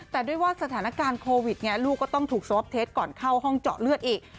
แต่ด้วยว่าสถานการณ์โควิดไงลูกก็ต้องถูกสวอปเทสก่อนเข้าห้องเจาะเลือดอีก